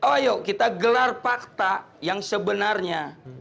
ayo kita gelar fakta yang sebenarnya